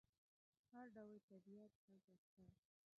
هر ډول طبیعت هلته شته.